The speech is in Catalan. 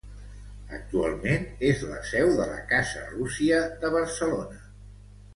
Actualment és la seu de la Casa Rússia de Barcelona.